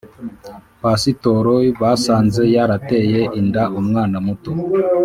Pastor basanze yarateye inda umwana muto